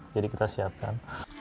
jadi kita siapkan